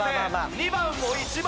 ２番を１枚。